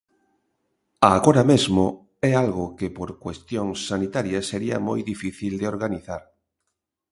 Agora mesmo é algo que por cuestións sanitarias sería moi difícil de organizar.